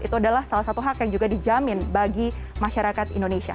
itu adalah salah satu hak yang juga dijamin bagi masyarakat indonesia